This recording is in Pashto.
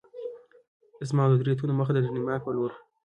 زما او د دریو تنو مخه د ډنمارک په لور وه.